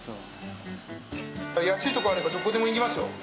安いところあればどこでも行きますよ。